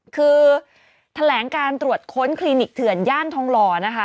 คือแถลงการตรวจค้นคลินิกเถื่อนย่านทองหล่อนะคะ